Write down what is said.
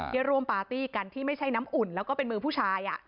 ที่ร่วมปาร์ตี้กันที่ไม่ใช่น้ำอุ่นแล้วก็เป็นมือผู้ชาย